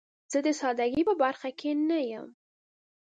زه د سادګۍ په برخه کې نه یم.